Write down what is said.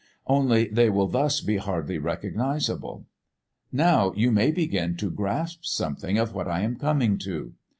Only they will thus be hardly recognisable! "Now, you may begin to grasp something of what I am coming to."